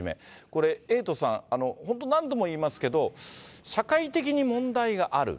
これ、エイトさん、本当、何度も言いますけれども、社会的に問題がある。